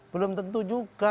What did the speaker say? belum tentu juga